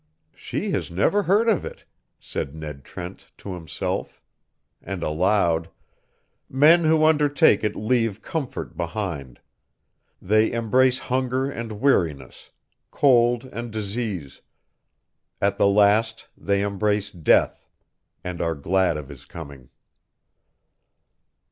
"She has never heard of it," said Ned Trent to himself, and aloud: "Men who undertake it leave comfort behind. They embrace hunger and weariness, cold and disease. At the last they embrace death, and are glad of his coming."